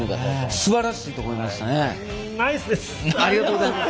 すばらしいと思いましたね。